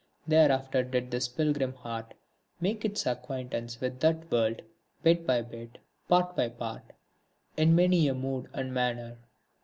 Thereafter did this pilgrim heart make its acquaintance with that world, bit by bit, part by part, in many a mood and manner.